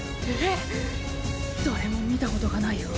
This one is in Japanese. えっ誰も見たことがない